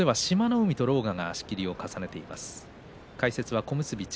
海と狼雅が仕切りを重ねています。